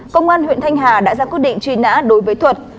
công an huyện thanh hà đã ra quyết định truy nã đối với thuật